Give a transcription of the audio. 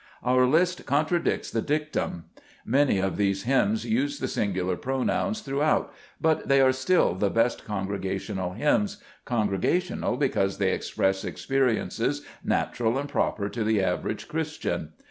Our list contradicts the dictum. Many of these hymns use the singular pronouns throughout, but they are still the best congregational hymns, — con gregational because they express experiences natural and proper to the average Christian.